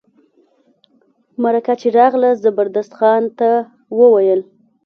مرکه چي راغله زبردست خان ته وویل.